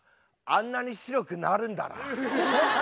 あんなに白くなるんだな。